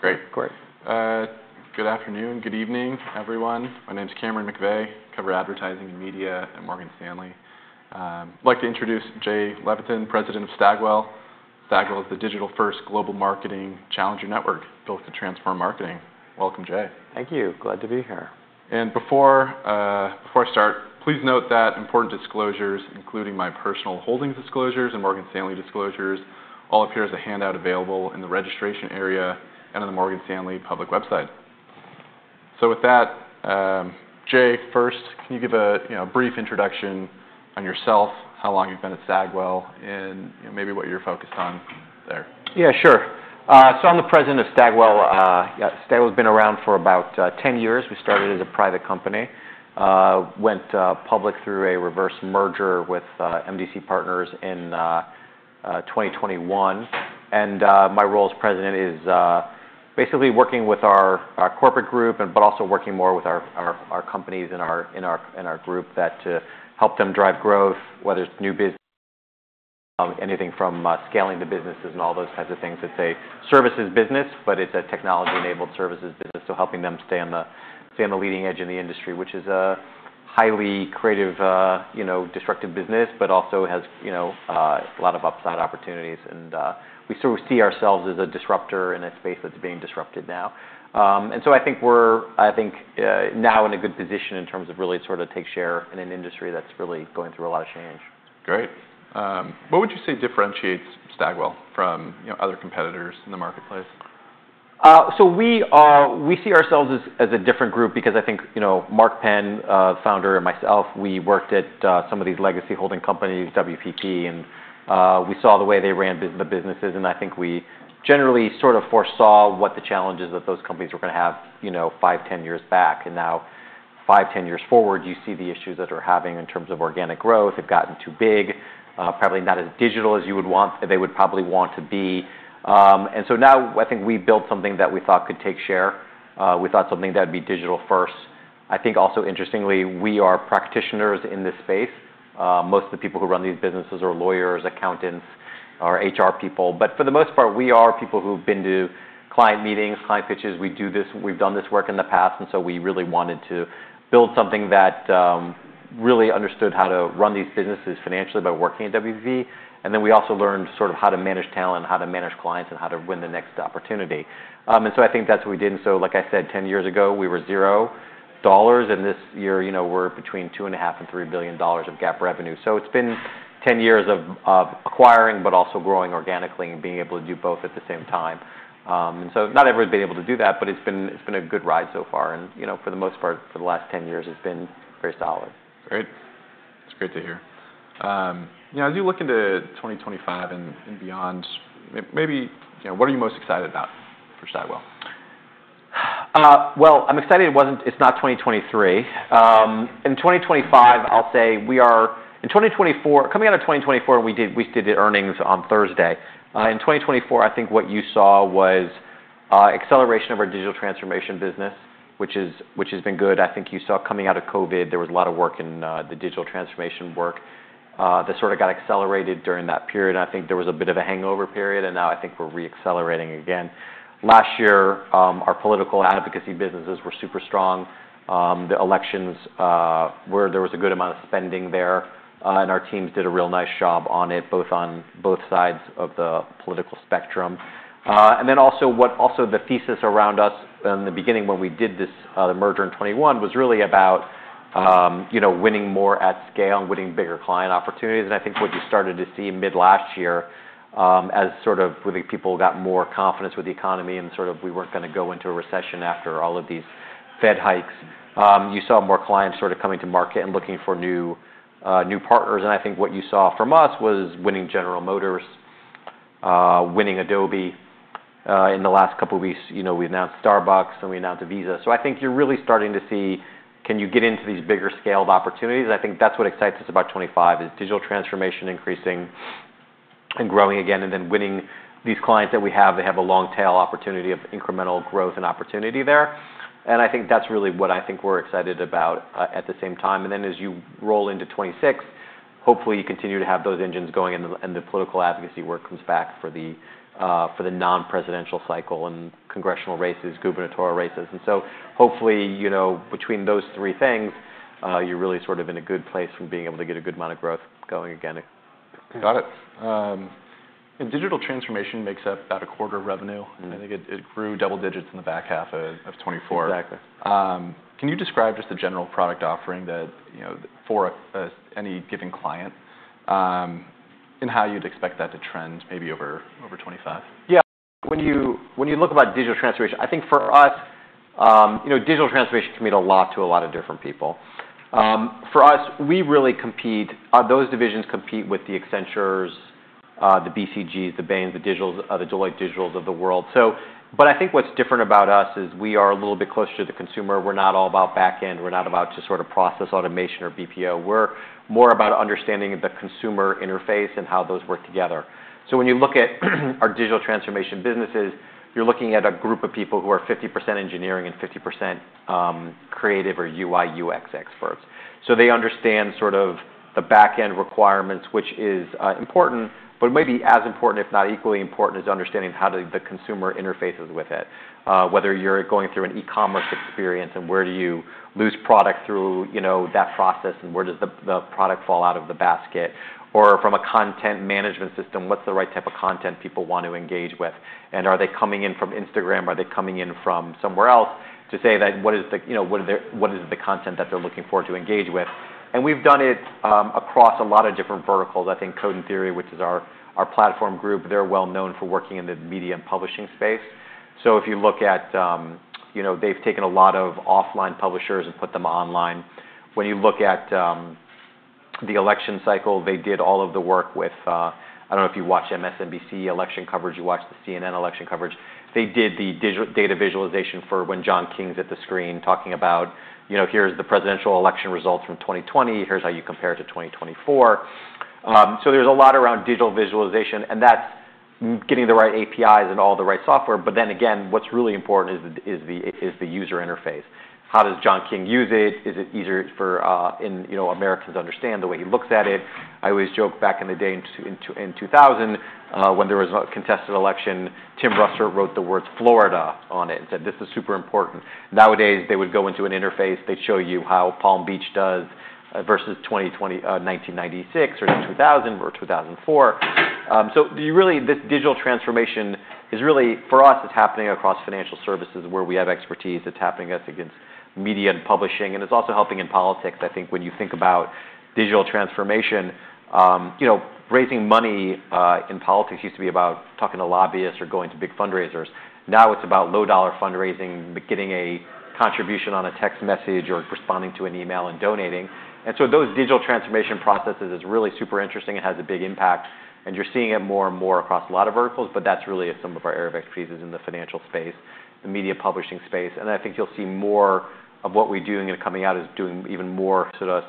Great. Great. Good afternoon, good evening, everyone. My name's Cameron McVeigh, cover advertising and media at Morgan Stanley. I'd like to introduce Jay Levine, President of Stagwell. Stagwell is the digital-first global marketing challenger network built to transform marketing. Welcome, Jay. Thank you. Glad to be here. Before I start, please note that important disclosures, including my personal holdings disclosures and Morgan Stanley disclosures, all appear as a handout available in the registration area and on the Morgan Stanley public website. With that, Jay, first, can you give a brief introduction on yourself, how long you've been at Stagwell, and maybe what you're focused on there? Yeah, sure. I'm the President of Stagwell. Stagwell's been around for about 10 years. We started as a private company, went public through a reverse merger with MDC Partners in 2021. My role as President is basically working with our corporate group, but also working more with our companies in our group that help them drive growth, whether it's new business, anything from scaling the businesses and all those kinds of things. It's a services business, but it's a technology-enabled services business, so helping them stay on the leading edge in the industry, which is a highly creative, disruptive business, but also has a lot of upside opportunities. We sort of see ourselves as a disruptor in a space that's being disrupted now. I think we're, I think, now in a good position in terms of really sort of taking share in an industry that's really going through a lot of change. Great. What would you say differentiates Stagwell from other competitors in the marketplace? We see ourselves as a different group because I think Mark Penn, the founder, and myself, we worked at some of these legacy holding companies, WPP, and we saw the way they ran the businesses. I think we generally sort of foresaw what the challenges that those companies were going to have five, 10 years back. Now, five, 10 years forward, you see the issues that they're having in terms of organic growth. They've gotten too big, probably not as digital as you would want they would probably want to be. Now, I think we built something that we thought could take share. We thought something that would be digital-first. I think also, interestingly, we are practitioners in this space. Most of the people who run these businesses are lawyers, accountants, or HR people. For the most part, we are people who've been to client meetings, client pitches. We've done this work in the past. We really wanted to build something that really understood how to run these businesses financially by working at WPP. We also learned sort of how to manage talent, how to manage clients, and how to win the next opportunity. I think that's what we did. Like I said, 10 years ago, we were $0. This year, we're between $2.5 billion and $3 billion of gap revenue. It's been 10 years of acquiring, but also growing organically and being able to do both at the same time. Not everyone's been able to do that, but it's been a good ride so far. For the most part, for the last 10 years, it's been very solid. Great. That's great to hear. Now, as you look into 2025 and beyond, maybe what are you most excited about for Stagwell? I'm excited it's not 2023. In 2025, I'll say we are in 2024, coming out of 2024, we did earnings on Thursday. In 2024, I think what you saw was acceleration of our digital transformation business, which has been good. I think you saw coming out of COVID, there was a lot of work in the digital transformation work that sort of got accelerated during that period. I think there was a bit of a hangover period. Now I think we're re-accelerating again. Last year, our political advocacy businesses were super strong. The elections, there was a good amount of spending there. Our teams did a real nice job on it, both on both sides of the political spectrum. The thesis around us in the beginning when we did the merger in 2021 was really about winning more at scale and winning bigger client opportunities. I think what you started to see mid-last year as people got more confidence with the economy and we were not going to go into a recession after all of these Fed hikes, you saw more clients coming to market and looking for new partners. I think what you saw from us was winning General Motors, winning Adobe. In the last couple of weeks, we announced Starbucks, and we announced Visa. I think you are really starting to see, can you get into these bigger scaled opportunities? I think that is what excites us about 2025, digital transformation increasing and growing again, and then winning these clients that we have. They have a long-tail opportunity of incremental growth and opportunity there. I think that's really what I think we're excited about at the same time. As you roll into 2026, hopefully you continue to have those engines going and the political advocacy work comes back for the non-presidential cycle and congressional races, gubernatorial races. Hopefully between those three things, you're really sort of in a good place from being able to get a good amount of growth going again. Got it. Digital transformation makes up about a quarter of revenue. I think it grew double digits in the back half of 2024. Exactly. Can you describe just the general product offering for any given client and how you'd expect that to trend maybe over 2025? Yeah. When you look about digital transformation, I think for us, digital transformation can mean a lot to a lot of different people. For us, we really compete. Those divisions compete with the Accentures, the BCGs, the Bains, the Deloitte Digitals of the world. I think what's different about us is we are a little bit closer to the consumer. We're not all about back-end. We're not about just sort of process automation or BPO. We're more about understanding the consumer interface and how those work together. When you look at our digital transformation businesses, you're looking at a group of people who are 50% engineering and 50% creative or UI/UX experts. They understand sort of the back-end requirements, which is important, but maybe as important, if not equally important, is understanding how the consumer interfaces with it, whether you're going through an e-commerce experience and where do you lose product through that process and where does the product fall out of the basket. From a content management system, what's the right type of content people want to engage with? Are they coming in from Instagram? Are they coming in from somewhere else to say that what is the content that they're looking forward to engage with? We've done it across a lot of different verticals. I think Code and Theory, which is our platform group, they're well known for working in the media and publishing space. If you look at it, they've taken a lot of offline publishers and put them online. When you look at the election cycle, they did all of the work with I don't know if you watch MSNBC election coverage, you watch the CNN election coverage. They did the data visualization for when John King's at the screen talking about, "Here's the presidential election results from 2020. Here's how you compare it to 2024." There is a lot around digital visualization, and that's getting the right APIs and all the right software. What is really important is the user interface. How does John King use it? Is it easier for Americans to understand the way he looks at it? I always joke back in the day in 2000, when there was a contested election, Tim Russert wrote the words "Florida" on it and said, "This is super important." Nowadays, they would go into an interface, they'd show you how Palm Beach does versus 1996 or 2000 or 2004. This digital transformation is really, for us, it's happening across financial services where we have expertise. It's happening against media and publishing. It's also helping in politics. I think when you think about digital transformation, raising money in politics used to be about talking to lobbyists or going to big fundraisers. Now it's about low-dollar fundraising, getting a contribution on a text message or responding to an email and donating. Those digital transformation processes are really super interesting. It has a big impact. You are seeing it more and more across a lot of verticals, but that is really some of our area of expertise, in the financial space, the media publishing space. I think you will see more of what we are doing and coming out is doing even more sort of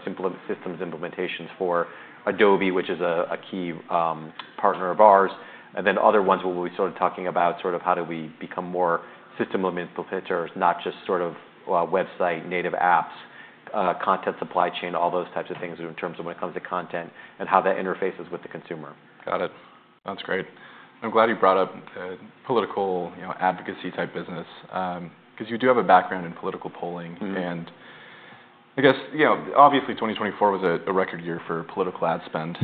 systems implementations for Adobe, which is a key partner of ours. Other ones where we are sort of talking about how do we become more system implementers, not just sort of website-native apps, content supply chain, all those types of things in terms of when it comes to content and how that interfaces with the consumer. Got it. That's great. I'm glad you brought up political advocacy type business because you do have a background in political polling. I guess, obviously, 2024 was a record year for political ad spend.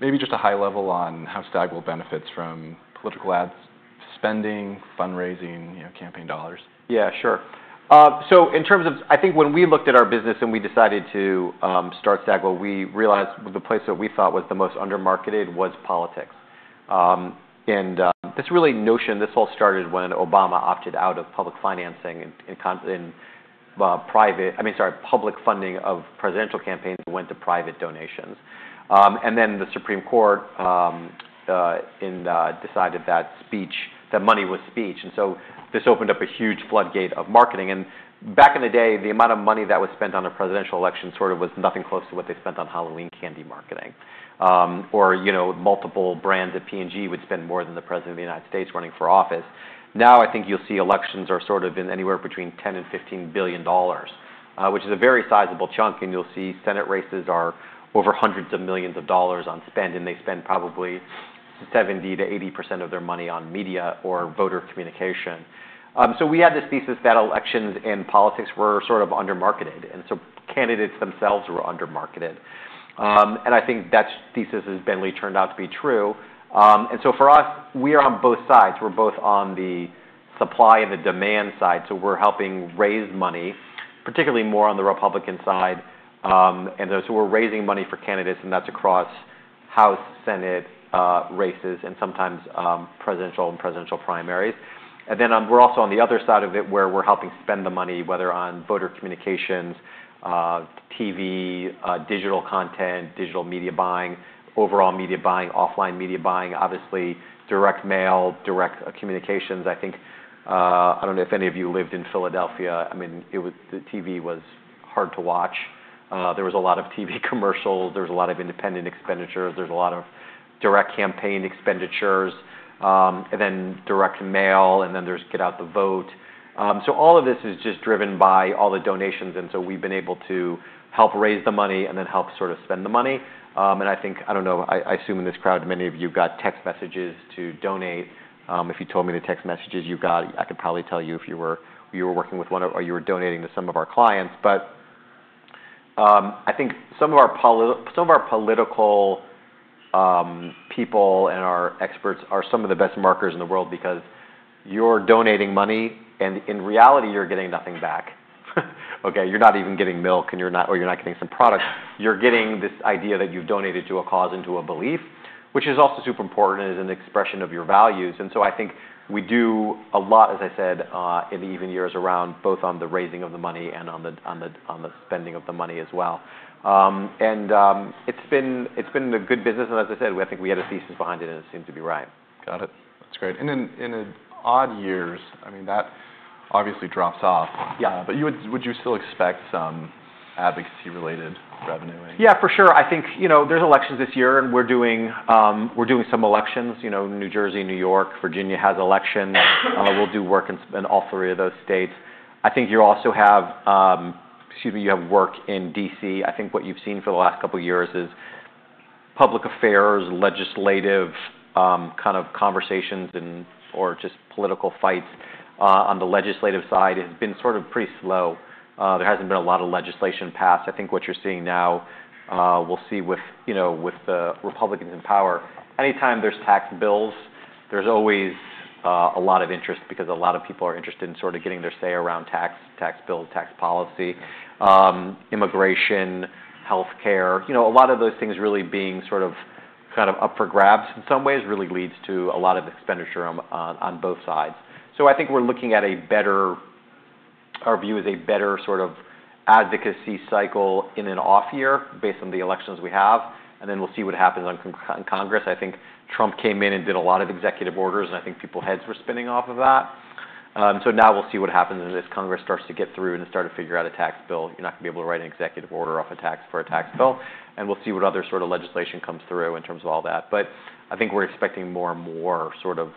Maybe just a high level on how Stagwell benefits from political ad spending, fundraising, campaign dollars. Yeah, sure. In terms of I think when we looked at our business and we decided to start Stagwell, we realized the place that we thought was the most undermarketed was politics. This really notion, this all started when Obama opted out of public financing and private, I mean, sorry, public funding of presidential campaigns went to private donations. The Supreme Court decided that money was speech. This opened up a huge floodgate of marketing. Back in the day, the amount of money that was spent on a presidential election sort of was nothing close to what they spent on Halloween candy marketing. Or multiple brands at P&G would spend more than the President of the United States running for office. Now I think you'll see elections are sort of anywhere between $10 billion and $15 billion, which is a very sizable chunk. You'll see Senate races are over hundreds of millions of dollars on spend. They spend probably 70%-80% of their money on media or voter communication. We had this thesis that elections and politics were sort of undermarketed. Candidates themselves were undermarketed. I think that thesis has turned out to be true. For us, we are on both sides. We're both on the supply and the demand side. We're helping raise money, particularly more on the Republican side. We're raising money for candidates. That's across House and Senate races and sometimes presidential and presidential primaries. We're also on the other side of it where we're helping spend the money, whether on voter communications, TV, digital content, digital media buying, overall media buying, offline media buying, obviously direct mail, direct communications. I think I don't know if any of you lived in Philadelphia. I mean, the TV was hard to watch. There was a lot of TV commercials. There was a lot of independent expenditures. There was a lot of direct campaign expenditures. And then direct mail. Then there is get out the vote. All of this is just driven by all the donations. We have been able to help raise the money and then help sort of spend the money. I think, I don't know, I assume in this crowd, many of you got text messages to donate. If you told me the text messages you got, I could probably tell you if you were working with one or you were donating to some of our clients. I think some of our political people and our experts are some of the best marketers in the world because you're donating money, and in reality, you're getting nothing back. You're not even getting milk, or you're not getting some products. You're getting this idea that you've donated to a cause and to a belief, which is also super important as an expression of your values. I think we do a lot, as I said, in the even years around both on the raising of the money and on the spending of the money as well. It's been a good business. As I said, I think we had a thesis behind it, and it seemed to be right. Got it. That's great. In odd years, I mean, that obviously drops off. Would you still expect some advocacy-related revenue? Yeah, for sure. I think there's elections this year, and we're doing some elections. New Jersey, New York, Virginia has elections. We'll do work in all three of those states. I think you also have, excuse me, you have work in DC. I think what you've seen for the last couple of years is public affairs, legislative kind of conversations or just political fights on the legislative side have been sort of pretty slow. There hasn't been a lot of legislation passed. I think what you're seeing now, we'll see with the Republicans in power, anytime there's tax bills, there's always a lot of interest because a lot of people are interested in sort of getting their say around tax bills, tax policy, immigration, healthcare. A lot of those things really being sort of kind of up for grabs in some ways really leads to a lot of expenditure on both sides. I think we're looking at a better, our view is a better sort of advocacy cycle in an off year based on the elections we have. We'll see what happens in Congress. I think Trump came in and did a lot of executive orders. I think people's heads were spinning off of that. Now we'll see what happens when this Congress starts to get through and start to figure out a tax bill. You're not going to be able to write an executive order off a tax bill. We'll see what other sort of legislation comes through in terms of all that. I think we're expecting more and more sort of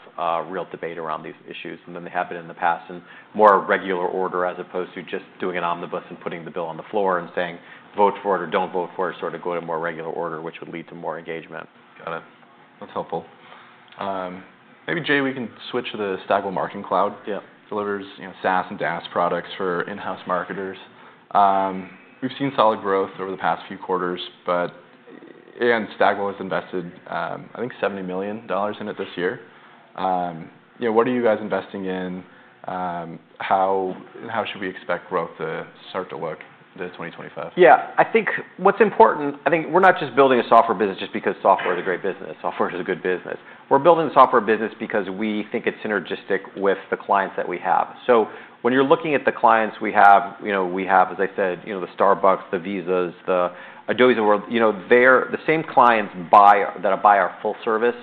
real debate around these issues than they have been in the past and more regular order as opposed to just doing an omnibus and putting the bill on the floor and saying, "Vote for it or don't vote for it," sort of go to more regular order, which would lead to more engagement. Got it. That's helpful. Maybe, Jay, we can switch to the Stagwell Marketing Cloud. It delivers SaaS and DaaS products for in-house marketers. We've seen solid growth over the past few quarters. Stagwell has invested, I think, $70 million in it this year. What are you guys investing in? How should we expect growth to start to look in 2025? Yeah. I think what's important, I think we're not just building a software business just because software is a great business. Software is a good business. We're building the software business because we think it's synergistic with the clients that we have. When you're looking at the clients we have, we have, as I said, the Starbucks, the Visas, the Adobe World, the same clients that buy our full-service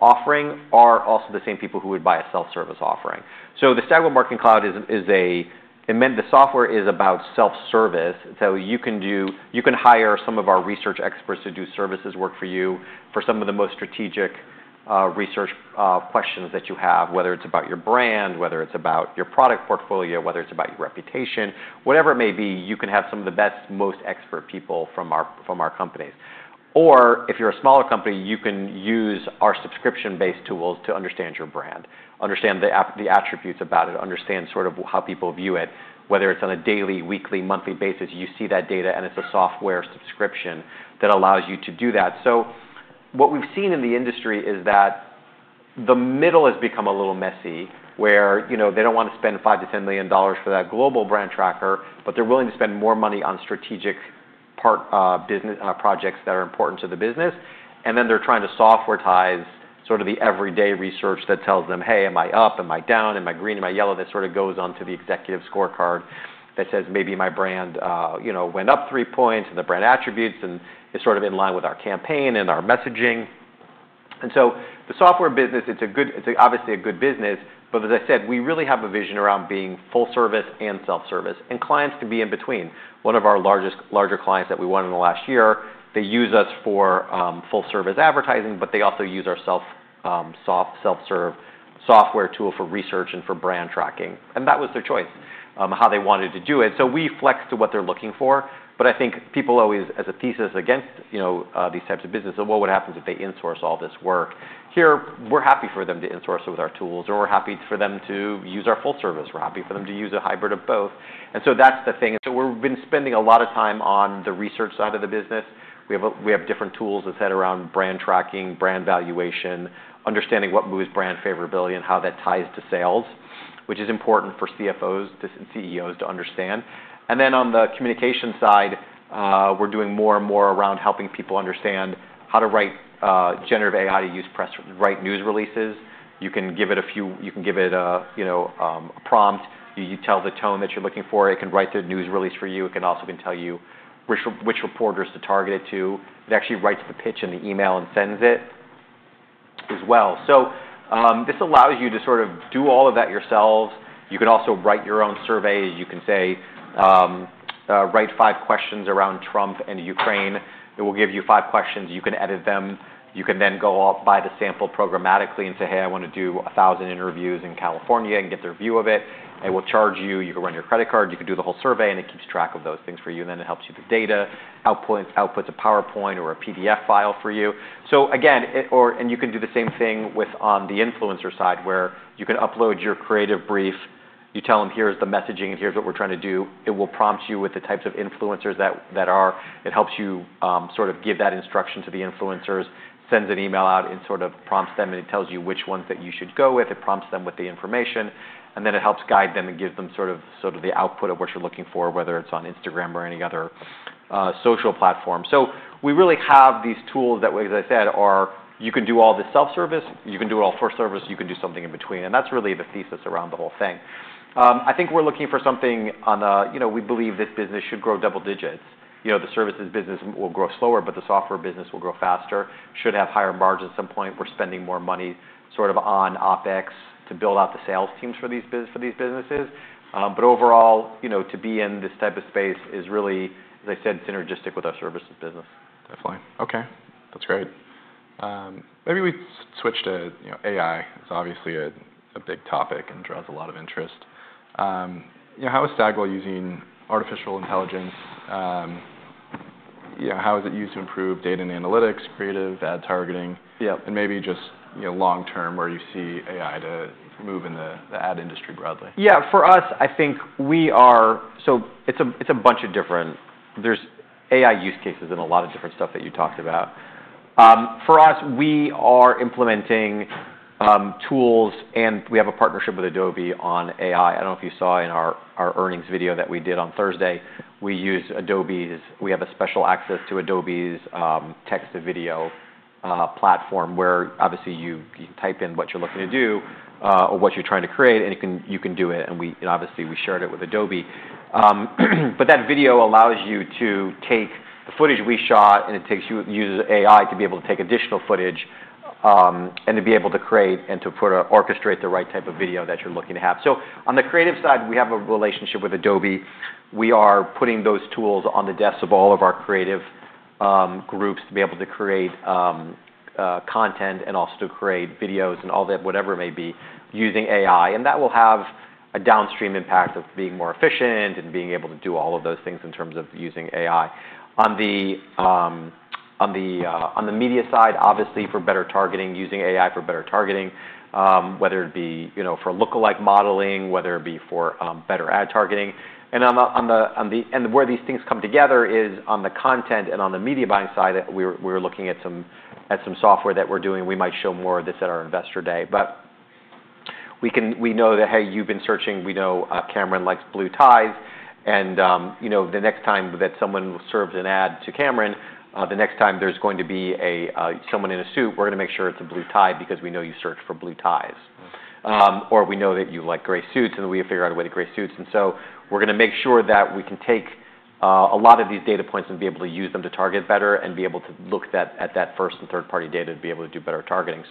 offering are also the same people who would buy a self-service offering. The Stagwell Marketing Cloud is a the software is about self-service. You can hire some of our research experts to do services work for you for some of the most strategic research questions that you have, whether it's about your brand, whether it's about your product portfolio, whether it's about your reputation, whatever it may be, you can have some of the best, most expert people from our companies. If you're a smaller company, you can use our subscription-based tools to understand your brand, understand the attributes about it, understand sort of how people view it, whether it's on a daily, weekly, monthly basis. You see that data, and it's a software subscription that allows you to do that. What we've seen in the industry is that the middle has become a little messy where they don't want to spend $5 million-$10 million for that global brand tracker, but they're willing to spend more money on strategic projects that are important to the business. They're trying to software-tie sort of the everyday research that tells them, "Hey, am I up? Am I down? Am I green? Am I yellow?" That sort of goes onto the executive scorecard that says maybe my brand went up three points and the brand attributes and is sort of in line with our campaign and our messaging. The software business, it's obviously a good business. As I said, we really have a vision around being full-service and self-service. Clients can be in between. One of our larger clients that we won in the last year, they use us for full-service advertising, but they also use our self-serve software tool for research and for brand tracking. That was their choice, how they wanted to do it. We flex to what they're looking for. I think people always, as a thesis against these types of businesses, "Well, what happens if they insource all this work?" Here, we're happy for them to insource it with our tools, or we're happy for them to use our full-service. We're happy for them to use a hybrid of both. That's the thing. We have been spending a lot of time on the research side of the business. We have different tools, as I said, around brand tracking, brand valuation, understanding what moves brand favorability and how that ties to sales, which is important for CFOs and CEOs to understand. On the communication side, we're doing more and more around helping people understand how to write generative AI to use press, write news releases. You can give it a few, you can give it a prompt. You tell the tone that you're looking for. It can write the news release for you. It can also tell you which reporters to target it to. It actually writes the pitch in the email and sends it as well. This allows you to sort of do all of that yourselves. You can also write your own surveys. You can say, "Write five questions around Trump and Ukraine." It will give you five questions. You can edit them. You can then go out, buy the sample programmatically and say, "Hey, I want to do 1,000 interviews in California and get their view of it." It will charge you. You can run your credit card. You can do the whole survey. It keeps track of those things for you. It helps you with data, outputs a PowerPoint or a PDF file for you. You can do the same thing on the influencer side where you can upload your creative brief. You tell them, "Here's the messaging, and here's what we're trying to do." It will prompt you with the types of influencers that are. It helps you sort of give that instruction to the influencers, sends an email out and sort of prompts them. It tells you which ones that you should go with. It prompts them with the information. It helps guide them and give them sort of the output of what you're looking for, whether it's on Instagram or any other social platform. We really have these tools that, as I said, you can do all the self-service. You can do it all for service. You can do something in between. That's really the thesis around the whole thing. I think we're looking for something on the we believe this business should grow double digits. The services business will grow slower, but the software business will grow faster, should have higher margins at some point. We're spending more money sort of on OpEx to build out the sales teams for these businesses. Overall, to be in this type of space is really, as I said, synergistic with our services business. Definitely. Okay. That's great. Maybe we switch to AI. It's obviously a big topic and draws a lot of interest. How is Stagwell using artificial intelligence? How is it used to improve data and analytics, creative ad targeting, and maybe just long term where you see AI to move in the ad industry broadly? Yeah. For us, I think we are, so it's a bunch of different, there's AI use cases and a lot of different stuff that you talked about. For us, we are implementing tools, and we have a partnership with Adobe on AI. I don't know if you saw in our earnings video that we did on Thursday. We use Adobe's, we have special access to Adobe's text-to-video platform where obviously you type in what you're looking to do or what you're trying to create, and you can do it. Obviously, we shared it with Adobe. That video allows you to take the footage we shot, and it uses AI to be able to take additional footage and to be able to create and to orchestrate the right type of video that you're looking to have. On the creative side, we have a relationship with Adobe. We are putting those tools on the desks of all of our creative groups to be able to create content and also to create videos and all that, whatever it may be, using AI. That will have a downstream impact of being more efficient and being able to do all of those things in terms of using AI. On the media side, obviously, for better targeting, using AI for better targeting, whether it be for lookalike modeling, whether it be for better ad targeting. Where these things come together is on the content and on the media buying side that we're looking at some software that we're doing. We might show more of this at our investor day. We know that, hey, you've been searching. We know Cameron likes blue ties. The next time that someone serves an ad to Cameron, the next time there is going to be someone in a suit, we are going to make sure it is a blue tie because we know you search for blue ties. Or we know that you like gray suits, and we figure out a way to gray suits. We are going to make sure that we can take a lot of these data points and be able to use them to target better and be able to look at that first and third-party data to be able to do better targeting.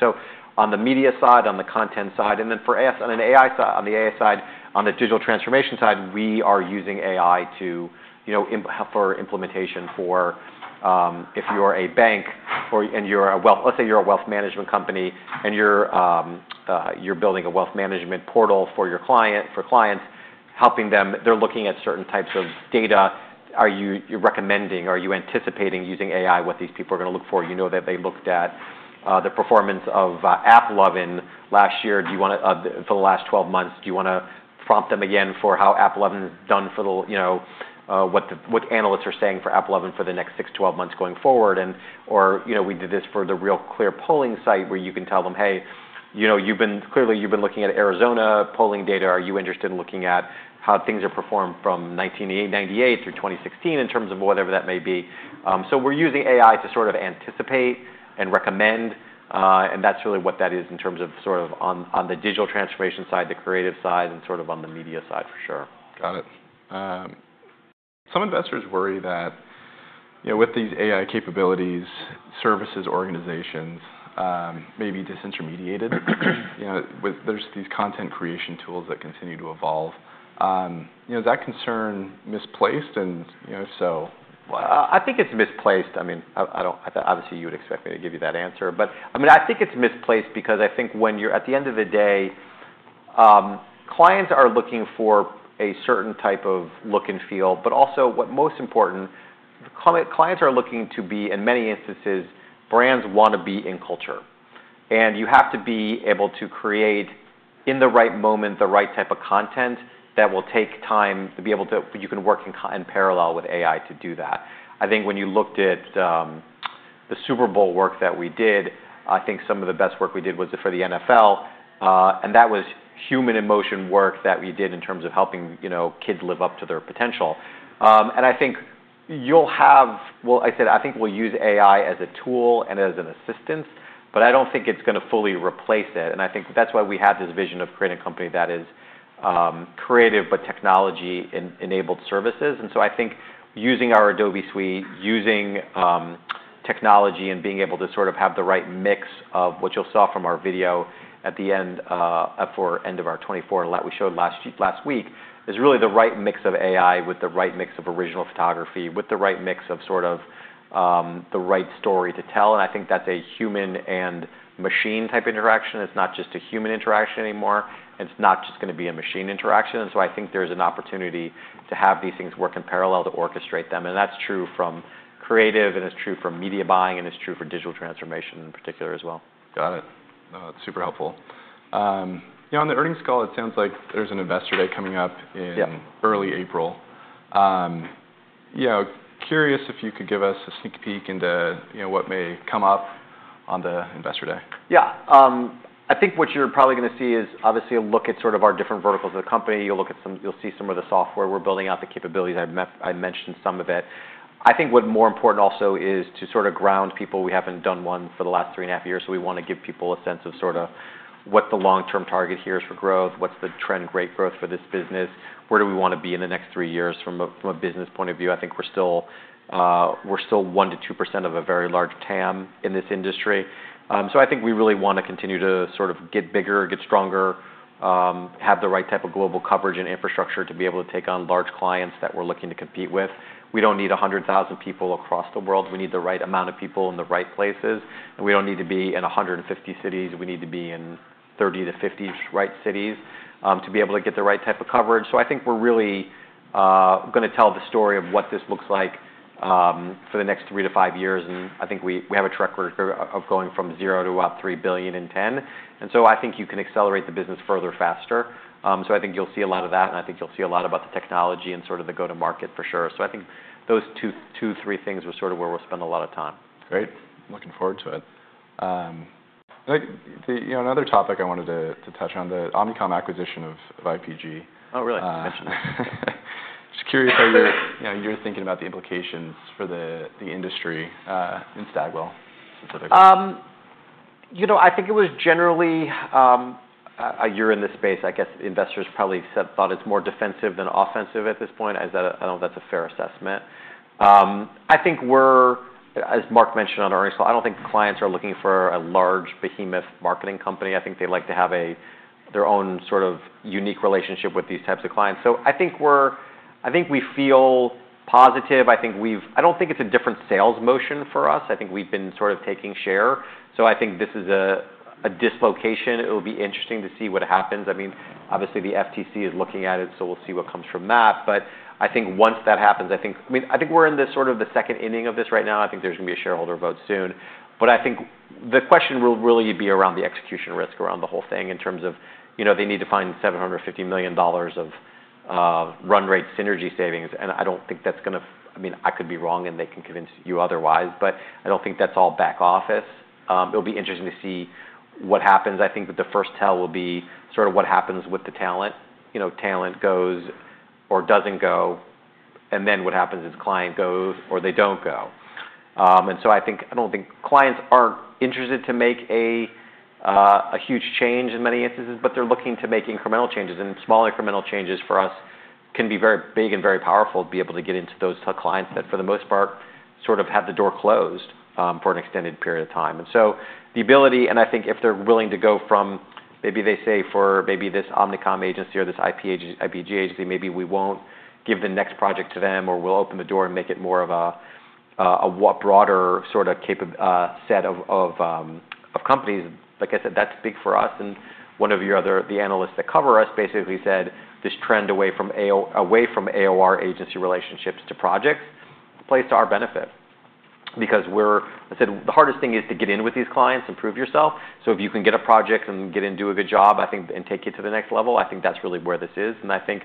On the media side, on the content side, and then for us on the AI side, on the digital transformation side, we are using AI for implementation for if you're a bank and you're a wealth, let's say you're a wealth management company and you're building a wealth management portal for your clients, helping them. They're looking at certain types of data. Are you recommending or are you anticipating using AI what these people are going to look for? You know that they looked at the performance of AppLovin last year. For the last 12 months, do you want to prompt them again for how AppLovin has done, for what analysts are saying for AppLovin for the next six to 12 months going forward? Or we did this for the RealClear polling site where you can tell them, "Hey, clearly you've been looking at Arizona polling data. Are you interested in looking at how things are performed from 1998 through 2016 in terms of whatever that may be? We are using AI to sort of anticipate and recommend. That is really what that is in terms of sort of on the digital transformation side, the creative side, and sort of on the media side for sure. Got it. Some investors worry that with these AI capabilities, services organizations may be disintermediated. There are these content creation tools that continue to evolve. Is that concern misplaced? If so. I think it's misplaced. I mean, obviously, you would expect me to give you that answer. I mean, I think it's misplaced because I think when you're at the end of the day, clients are looking for a certain type of look and feel. Also, what's most important, clients are looking to be, in many instances, brands want to be in culture. You have to be able to create in the right moment the right type of content that will take time to be able to you can work in parallel with AI to do that. I think when you looked at the Super Bowl work that we did, I think some of the best work we did was for the NFL. That was human-emotion work that we did in terms of helping kids live up to their potential. I think you'll have, I said, I think we'll use AI as a tool and as an assistance, but I don't think it's going to fully replace it. I think that's why we have this vision of creating a company that is creative but technology-enabled services. I think using our Adobe suite, using technology, and being able to sort of have the right mix of what you saw from our video at the end for end of our 2024 and that we showed last week is really the right mix of AI with the right mix of original photography with the right mix of sort of the right story to tell. I think that's a human and machine type interaction. It's not just a human interaction anymore. It's not just going to be a machine interaction. I think there's an opportunity to have these things work in parallel to orchestrate them. That's true from creative, and it's true from media buying, and it's true for digital transformation in particular as well. Got it. No, that's super helpful. On the earnings call, it sounds like there's an investor day coming up in early April. Curious if you could give us a sneak peek into what may come up on the investor day. Yeah. I think what you're probably going to see is obviously a look at sort of our different verticals of the company. You'll look at some, you'll see some of the software we're building out, the capabilities. I mentioned some of it. I think what's more important also is to sort of ground people. We haven't done one for the last three and a half years. We want to give people a sense of sort of what the long-term target here is for growth, what's the trend, great growth for this business, where do we want to be in the next three years from a business point of view. I think we're still 1%-2% of a very large TAM in this industry. I think we really want to continue to sort of get bigger, get stronger, have the right type of global coverage and infrastructure to be able to take on large clients that we're looking to compete with. We don't need 100,000 people across the world. We need the right amount of people in the right places. We don't need to be in 150 cities. We need to be in 30-50 right cities to be able to get the right type of coverage. I think we're really going to tell the story of what this looks like for the next three to five years. I think we have a track record of going from zero to about $3 billion in 10. I think you can accelerate the business further, faster. I think you'll see a lot of that, and I think you'll see a lot about the technology and sort of the go-to-market for sure. I think those two, three things were sort of where we'll spend a lot of time. Great. Looking forward to it. Another topic I wanted to touch on, the Omnicom acquisition of IPG. Oh, really? Just curious how you're thinking about the implications for the industry in Stagwell specifically. I think it was generally a year in this space, I guess investors probably thought it's more defensive than offensive at this point. I don't know if that's a fair assessment. I think we're, as Mark mentioned on our earnings call, I don't think clients are looking for a large behemoth marketing company. I think they like to have their own sort of unique relationship with these types of clients. I think we feel positive. I don't think it's a different sales motion for us. I think we've been sort of taking share. I think this is a dislocation. It will be interesting to see what happens. I mean, obviously, the FTC is looking at it, so we'll see what comes from that. I think once that happens, I think we're in sort of the second inning of this right now. I think there's going to be a shareholder vote soon. I think the question will really be around the execution risk around the whole thing in terms of they need to find $750 million of run rate synergy savings. I don't think that's going to, I mean, I could be wrong, and they can convince you otherwise. I don't think that's all back office. It'll be interesting to see what happens. I think that the first tell will be sort of what happens with the talent. Talent goes or doesn't go. What happens is client goes or they don't go. I don't think clients are interested to make a huge change in many instances, but they're looking to make incremental changes. Small incremental changes for us can be very big and very powerful to be able to get into those clients that for the most part sort of have the door closed for an extended period of time. The ability, and I think if they're willing to go from maybe they say for maybe this Omnicom agency or this IPG agency, maybe we won't give the next project to them or we'll open the door and make it more of a broader sort of set of companies. Like I said, that's big for us. One of your other analysts that cover us basically said this trend away from AOR agency relationships to projects plays to our benefit because we're, I said, the hardest thing is to get in with these clients, improve yourself. If you can get a project and get in, do a good job, I think, and take it to the next level, I think that's really where this is. I think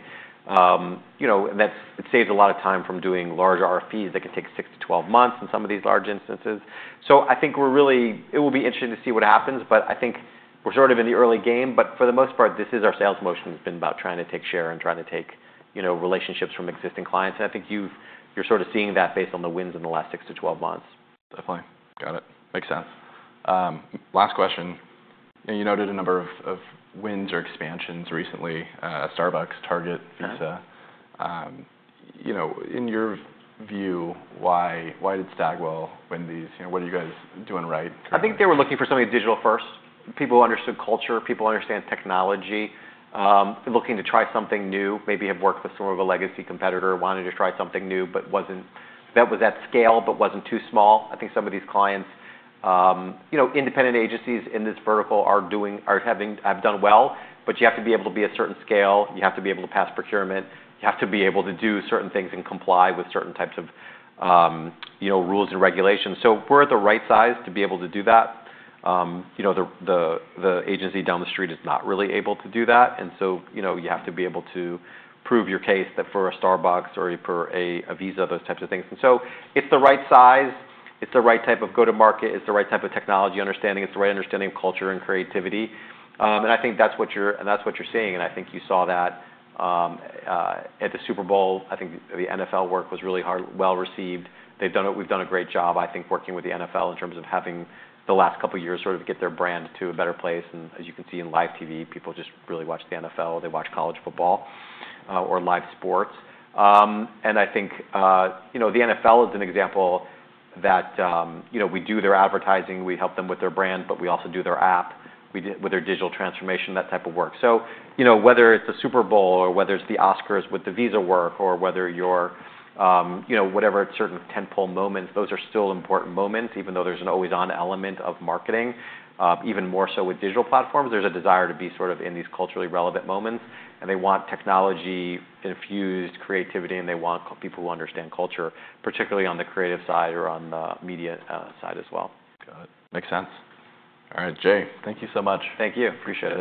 it saves a lot of time from doing large RFPs that can take six to 12 months in some of these large instances. I think it will be interesting to see what happens. I think we're sort of in the early game. For the most part, this is our sales motion has been about trying to take share and trying to take relationships from existing clients. I think you're sort of seeing that based on the wins in the last six to 12 months. Definitely. Got it. Makes sense. Last question. You noted a number of wins or expansions recently, Starbucks, Target, Visa. In your view, why did Stagwell win these? What are you guys doing right? I think they were looking for something digital first. People understood culture. People understand technology. Looking to try something new, maybe have worked with some of a legacy competitor, wanted to try something new, but that was at scale, but wasn't too small. I think some of these clients, independent agencies in this vertical, are doing, have done well. You have to be able to be a certain scale. You have to be able to pass procurement. You have to be able to do certain things and comply with certain types of rules and regulations. We're at the right size to be able to do that. The agency down the street is not really able to do that. You have to be able to prove your case that for a Starbucks or for a Visa, those types of things. It's the right size. It's the right type of go-to-market. It's the right type of technology understanding. It's the right understanding of culture and creativity. I think that's what you're seeing. I think you saw that at the Super Bowl. I think the NFL work was really well received. They've done it. We've done a great job, I think, working with the NFL in terms of having the last couple of years sort of get their brand to a better place. As you can see in live TV, people just really watch the NFL. They watch college football or live sports. I think the NFL is an example that we do their advertising. We help them with their brand, but we also do their app with their digital transformation, that type of work. Whether it's the Super Bowl or whether it's the Oscars with the Visa work or whether you're whatever certain tentpole moments, those are still important moments, even though there's an always-on element of marketing, even more so with digital platforms. There's a desire to be sort of in these culturally relevant moments. They want technology-infused creativity, and they want people who understand culture, particularly on the creative side or on the media side as well. Got it. Makes sense. All right, Jay, thank you so much. Thank you. Appreciate it.